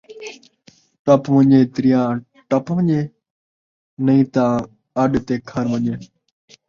ٹپ ونڄے دریا ٹپ ونڄے، نئیں تاں اَݙ تے کھڑ ونڄے